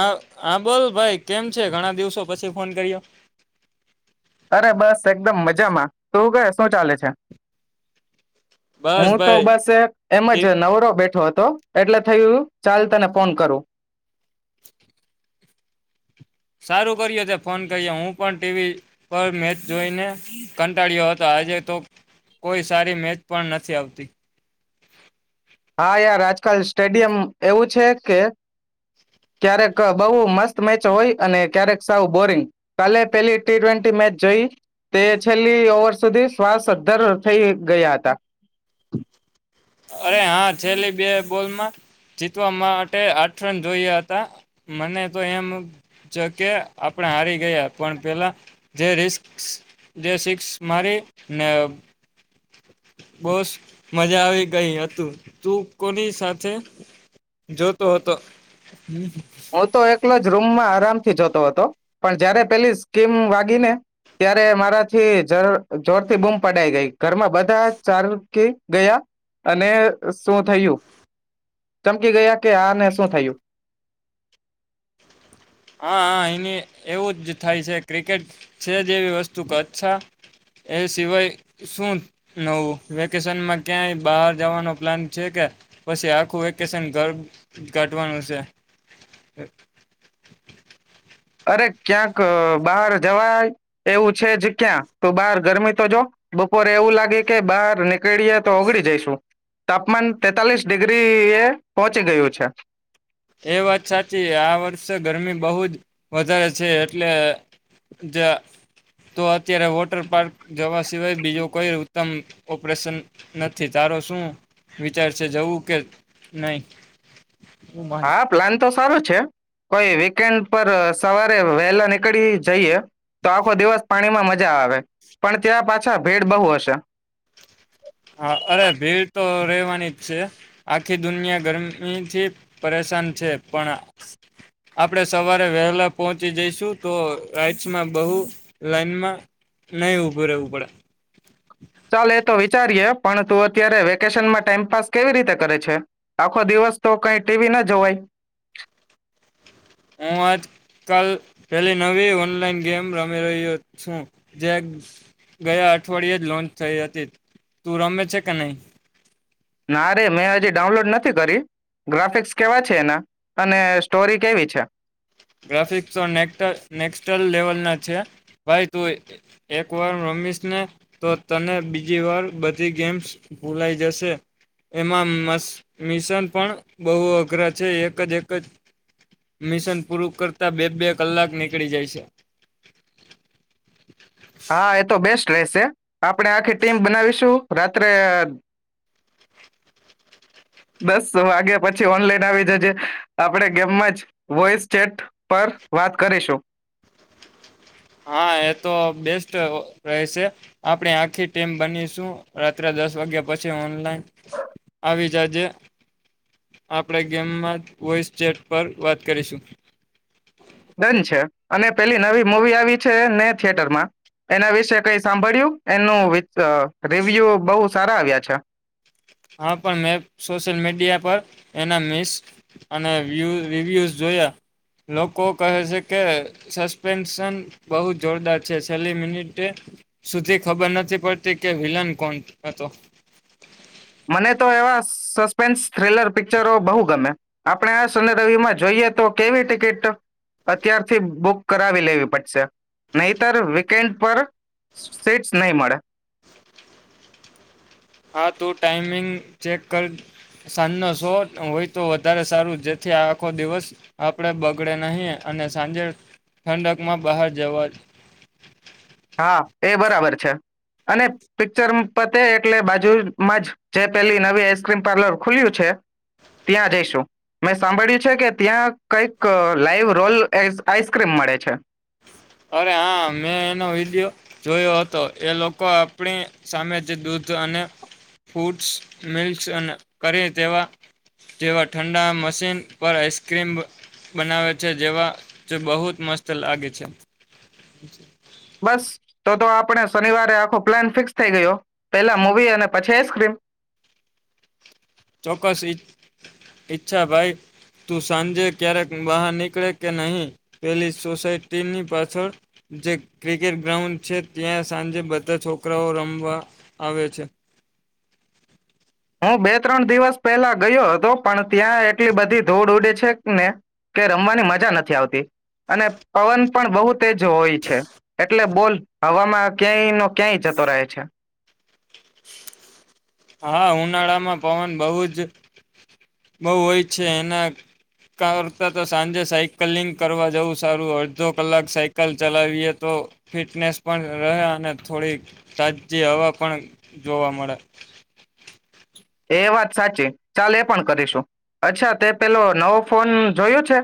હ આાબોલ ભાઈ કેમ છે ઘણા દિવસો પછી ફોન કર્યો અરે બસ એકદમ મજામાં તું ક શું ચાલે છે બસ હું તો ભાઈ બસ એમ જ ટી નવરો બેઠો હતો તો એટલે થયું ચાલ તને ફોન કરું [inaudible] સારું કરીએ તો ફોન કહીએ હું પણ ટીવી પર મેચ જોઈને ક ઘટાડયો હતો આજે તો કોઈ સારી મેચ પણ નથી આવતી હા યાર આજકાલ સ્ટેડિયમ એવું છે કે ક્યારેક બહુ મસ્ત મેચ હોય અને ક્યારેક સાવ બોરિંગ કાલે પેલી ટી ટ્વેન્ટી મેચ જોઈ તે છેલ્લી ઓવર સુધી શ્વાસધર થઈ ગયા હતા અરે હા છેલ્લી બે બોલમાં જીતવા માટે આઠ રન જોયા હતા મને તો એમ છે કે આપણે હારી ગયા પણ પેલા જે રિક જે મારેને બોસ મજા આવી ગઈ હતીું તું કોની સાથે જોતો હતો હમ એકલ જ રૂમમાં આરામ થી જોતો હતો પણ જયારે પેલી સ્કીમ વાગી ને ત્યારે મારાથી જોર થી બૂમ પડાઈ ગઈ ઘરમાં બધા ચાલકી ગયા અને શું થયું ચમકી ગયા કે આને શું થયું હા હા એઈની એવું જ થાય છે ક્રિકેટ છે જેવી વસ્તુ કચ્છા એ સિવાય શું નવું વેકેશનમાં ક્યાંય બહાર જવાનો પ્લાન છે કે પછી આખું વેકેશન ઘર કાઢવાનું છે અરે ક્યાંક બહાર જવા એવું છે જ ક્યાં તું બહાર ગરમી તો જો બપોરે એવું લાગે કે બહાર નીકળીએ તો ઓગળી જઈશું તાપમાન તેતાલીસ ડિગ્રી એ પહોંચી ગયું છે એ વાત સાચી આ વર્ષે ગરમી બહુ જ વધારે છે એટલે તો અત્યારે વોટર પાર્ક જવા સિવાય બીજો કઈ ઉત્તમ ઓપરેશન નથી તારો શું વિચારશે જવું કે નહી હા પ્લાન તો સારો છે કોઈ વીકેન્ડ સવારે વહેલા નીકળી જઈએ તો આખો દિવસ પાણીમાં મજા આવે પણ ત્યાં પાછા ભેડ બહુ હશે હા અરે ભીડ તો રહેવાની જ છે આખી દુનિયા ગરમીથી પરેશાન છે પણ આપણે સવારે વહેલા પહોંચી જઈશું તો રાઈટસમાં બહુ લાઈનમાં નહી ઉભું રહેવું પડે ચાલ એ તો હોય ત અત વેશનમાં ટાઈમપ કેવી રીતે કરે છે આખો દિવસ તો કઈ ટીવી ના જવાય હું આજકાલ પેલી નવી ઓનલાઈન ગેમ રમી રહ્યો છું જે ગયા અઠવાડિયે જ લોન્ચ થઈ હતી તું રમે છે કે નહી ના રરે મેં હજી ડાઉનલોડ નથી કરી ગ્રાફિક્સ કેવા છે એના અને સ્ટોરી કેવી છે ગ્રાફિક્સક્ લ લેવલ ના છે ભાઈ તું એક વાર રમીશને તો તને બીજી વાર બધી ગેમ્સ ભૂલાઈ જશે એમાં મિશન પણ બહ અઘરા છે એક જ એક જ મિશન પૂરું કરતા બે બે કલાક નીકળી જાય છે હા એ તો બેસ્ટ કલે છે આપણે આખી ટીમ બનાવીશું રાત્રે દસ વાગ્યા પછી ઓનલાઈન આવી જજ આપણેે ગેમમાં જ વોઇસ ચેટ પર વાત કરીશું હા એ તો બેસ્ટ રહેશે આપણે આખી ટીમ બનીશું રાત્રે દસ વાગ્યા પછી ઓનલાઈન આવી જજે આપણે ગેમમાં વોઇસ ચેટ પર વાત કરીશું ડન છે અને પેલી નવી મુવી આવી છે ને થિયેટરમાં એના વિશે કઈ સાંભળ્યું એનું રિવ્યુ બહ સારા આવ્યા છે હા પણ મેં સોશિયલ મીડિયા પર એના મિસ અને રિવ્યૂઝ જોયા લોકો કહે છે કે સસ્પેન્શન બહુ જોરદાર છે છેલ્લી મિનિટે સુધી ખબર નથી પડતી કે વિલન કોણ હતો મને તો એવા સસ્પેન્સ થ્રીલર પિક્ચરો બહુ ગમે આપણે આ સન રવિમાં જોઈએ તો કેવી ટિકિટ અત્યારથી બુક કરાવી લેવી પડશે નહીતર વીકેન્ડ પર સીટસ નહી મળે હા તું ટાાઈમિંગ ચેક કર સાંજનો શો હોય તો વધારે સારું જેથી આ આખો દિવસ આપણે બગડે નહીં અને સાંજે ઠંડકમાં બહાર જવા હા એ બરાબર છે અને પિક્ચર પતે એટલે બાજુમાં જ જે પેલી નવી આઈસ્ક્રીમ પાર્લર ખુલ્યું છે ત્યાં જઈશું મેં સાંભળ્યું છે કે ત્યાં કઈક લાઈવ રોલ આઈસ્ક્રીમ મળે છે અરે હા મેં એનો વિડિયો જોયો હતો એ લોકો આપણી સામે જ દૂધ અને ફૂડસ મિલ્ કરી તેવા જેવા ઠંડા મશીન પર આઈસક્રીમ બનાવે છે જેવા જ બહુ જ મસ્ત લાગે છે હ છે બસ તો તો આપણે શનિવારે આખો પ્લાન ફિક્સ થઈ ગયો પેલા મવી અને પછી આઈસક્રીમ ચોક્કસ ઈચ્છા ભાઈ તું સાંજે ક્યારેક બહાર નીકળે કે નહી પેલી સોસાયટીની પાછળ જે ક્રિકેટ ગ્રાઉન્ડ છે ત્યાં સાંજે બધા છોકરાઓ રમવા આવે છે બે ત્રણ દિવસ પહેલા ગયો હતો પણ ત્યાં એટલી બધી ધૂડ ઉડે છે ને કે રમવાની મજા નથી આવતી અને પવન પણ બહુ તેજ હોય છે એટલે બોલ હવામાં ક્યાંય નો ક્યાંય જતો રહે છે હા ઉનાળામાં પવન બહ જ બહુ હોય છે એના કરતા તો સાંજે સાયકલિંગ કરવા જવું સારું અડધો કલાક સાયકલ ચલાવીએ તો ફિટનેસ પણ રહે અને થોડી તાજી હવા પણ જોવા મળે એ વાત સાચી ચાલ એ પણ કરીશું અચ્છા તે પેલો નવો ફોન જોયયો છે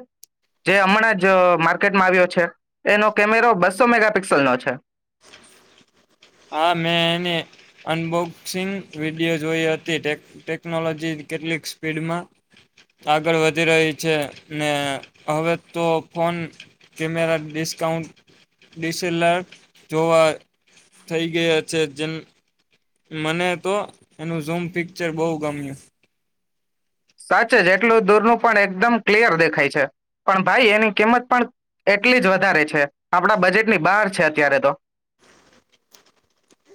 જે હમણાં જ માર્કેટમાં આવ્યો છે એનો કેમેરો બસો મેગાપિક્સલ નો છે હા મેં એની અનબોક્સિંગ વિડીિયો જોઈ હતી ટેકનોલોજી કેટલીક સ્પીડમાં આગળ વધી રહી છે ને હવે તો ફોન કેમેરા ડિસ્કાઉિલ જોવા થઈ ગયા છે જેમ મને તો એનું ઝૂમ પિક્ચર બહુ ગમ્યું સાચ જ એટલું દૂરનું પણ એકદમ ક્લિયર દેખાય છે પણ ભાઈ એની કિંમત પણ એટલી જ વધારે છે આપડા બજેટની બહાર છે અત્યારે તો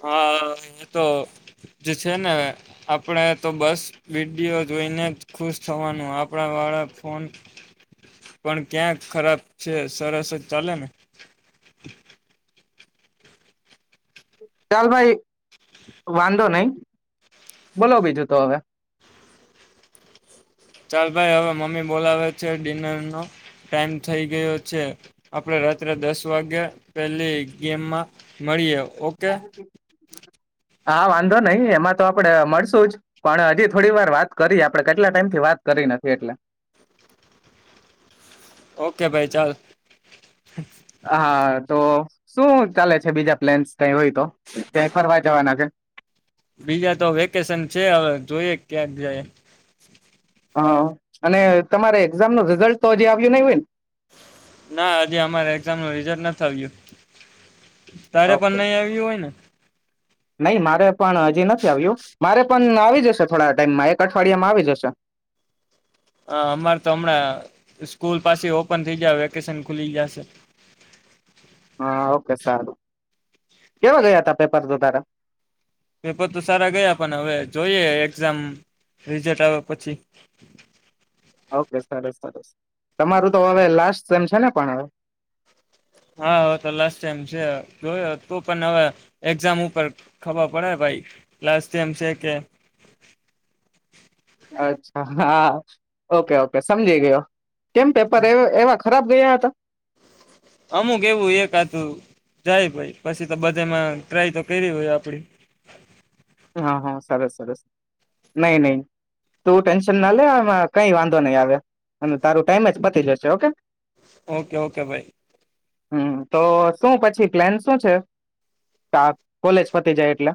હા એ તો જ છે ને આપણે તો બસ વિીડીયો જોઈને જ ખુશ થવાનું આપણા વાળા ફોન પણ ક્યાં ખરાબ છે સરસ જ ચાલે ને ચાલ ભાઈ વાંધો નહી બોલો બીજું તો હવે ચાલ ભાઈ હવે મમ્મી બોલાવે છે ડિનરનોો ટાઈમ થઈ ગયો છે આપડે રાત્રે દસ વાગે પેલી ગેમમાં મળીએ ઓકે હા વાંધો નહીિ એમાં તો આપડે મળશુ જ પણ હજી થોડી વાર વાત કરી આપડે કેટલા ટાઈમ થી વાત કરી નથી એટલે ઓકે ભાઈ ચાલ હા તો શું ચાલે છે બીજા પ્લેન્સ ત હોય તો ત્યા ફરવા જવાના છે બીજા તો વેકેશન છે હવે જોઈએ ક્યાંક જાય હા અને તમારે એક્ઝામ નો રિઝલ્ટ તો હજી આવ્યું નહી બેન ના હજે અમારે એક્ઝામ ન રિઝલ્ટ નથી આવ્યું તારે ઓફકો પણ નહી આવ્યું હોય ને નહી મારે પણ હજી નથી આવ્યું મારે પણ આવી જશે થોડા ટાઈમમાં એક અઠવાડિયામાં આવી જશે હા અમારે તો હમણાં સ્કૂલ પાછી ઓપન થઇ જાય વેકેશન ખુલી જશે હા ઓકે સારું કેવા ગયા ત પેપર તો તારા પેપર તો સારા ગયા પણ હવે જોઈએ એક્ઝામ રિઝલ્ટ આવ્યા પછી ઓકે સરસ સરસ તમારું તો હવે લાસ્ટ સેમ છે ને પણ હવે હા હ તો લાસ્ટ ટાઈમ છે જોયો તો પણ હવે એક્ઝામ ઉપર ખબર પડે ભાઈ લાસ્ટ ટાઈમ છે કે અચ્છા હા ઓકે ઓકે સમજી ગયો. કેમ પેપર એવા ખરાબ ગયા હતા. અમુક એવું એક આથું જાય ભાઈ પછી તો બધામાં ટ્રાય તો કર હોય આપડી હા હા સરસ સરસ નહી નહી તું ટેન્શન ના લે એમાં કઈ વાંધો નહીં આવે અને તારું ટાઈમ જ પતી જશે ઓકે ઓકે ઓકે ભાઈ હમ્મ, તો શું પછી, પ્લાન શું છે, કોલેજ પતી જાય એટલે?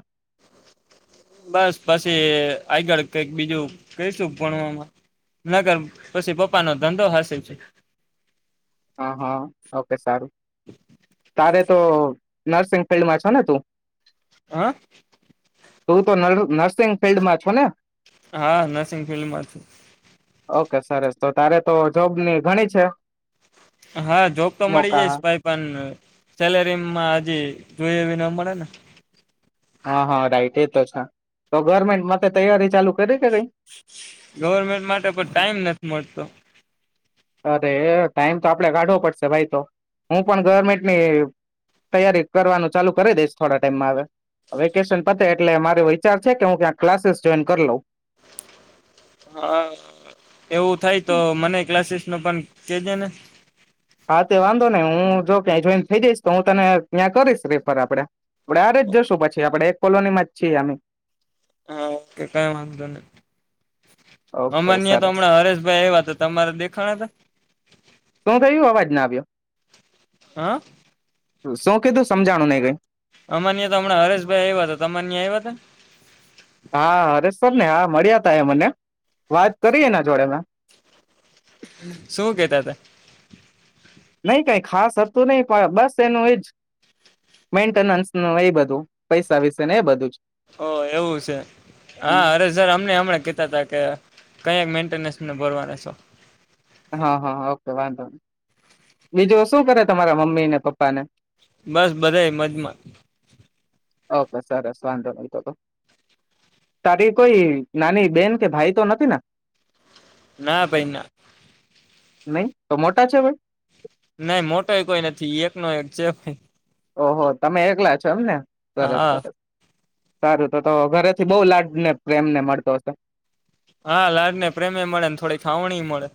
બસ પછી આગળ કઈક બીજું કશું ભણવામાં, નગર પછી પપ્પા નો ધંધો હસે છે. હા, હા, ઓકે સારું. અરે તો નર્સિંગ ફિલ્ડમાં છો ને તું? હા. તું તો નર્સિંગ ફિલ્ડમાં છો ને? હા, નર્સિંગ ફિલ્ડમાં છું. ઓકે સરસ તો તારે તો જોબની ઘણી છે. હા, જોબ તો મળી મોકા જઈશ ભાઈ, પણ સેલેરીમાં હજી જોઈ એવી ના મળે ને હા, હા, રાઈટ એતો છે, તો ગવર્મેન્ટ માટે તૈયારી ચાલુ કરી કે કઈ? ગવર્મેન્ટ માટે પણ ટાઈમ નથી મળતો. અરે ટાઈમ તો આપડે કાઢવો પડશે ભાઈ તો, હું પણ ગવર્મેન્ટની તૈયારી કરવાનું ચાલુ કરી દઈશ થોડા ટાઈમમાં હવે. વેકેશન પતે એટલે મારો વિચાર છે કે હું ક્યા ક્લાસીસ જોઈન કરી લઉ. હા, એવું થાય તો મનેએ ક્લાસીસ નું પણ કેજેને હા, તે વાંધો નઈ હું જો ક જોઈન થઇ જઈશ, તો હું તને ત્યાં કરીશ રિફર. આપડે આપડ સાથેજ જશું પછી આપડે એક કોલોનીમાં જ છીએ આમે ઓકે, કઈ વાંધો નઈ. ઓકે અમાનિયા તો સરસ. હમણાં હરેશભાઈ આવીયા હતા, તમારે દેખાણા હતા? શું થયું અવાજ ના આવ્યો હા. શું કીધું સમજાણું નઈ કઈ. અમાન્યા તો હમણાં હરેશભાઈ આવ્યા હતા, તમનિયા ત્યાં આવ્યા હતા? હા, હરેશ સરને, હા, મળ્યાતા એ મને વાત કરીએ એના જોડેમાં શું કેતા હતા? નઈ કઈ ખાસ હતું નહ પણ બસ એનું એજ મેન્ટેનન્સ ન એ બધું પૈસા વિશે એ બધુંજ ઓ એવું છે. હા, હરેશ સર અમને હમણાં કેતા તા કે કયા મેન્ટેનન્સને ભરવાનાસો હા, હા, ઓકે વાંધો નઈ. બીજું શું કરે તમારા મમ્મી ને પપ્પાને? બસ બધા મજમાં. ઓકે સરસ વાંધો નહી તો તો. તારી કોઈ નાની બેન કે ભાઈ તો નથીને? ના ભાઈ ના નઈ, તો મોટા છે ભાઈ? નાહી મોટોય કોઈ નથી એક નો એક છે કો ઓહો તમે એકલા છો એમને? સરસ હા સરસ સારું તો તો ઘરેથી બહઉ લાડ ને પ્રેમ ને મળતો હશે? હા, લાડ ને પ્રેમે મળે ને થોડી ખાવણી મળે.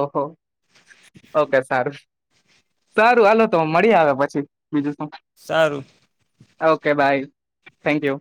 ઓહો ઓકે સારુ. સારું હાલો તો મળી આવે પછી બીજું શું. સારું. Okay bye thank you.